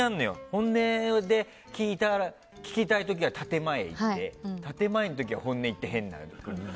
本音で聞きたい時は建前に行って建前の時は本音に行って変になる。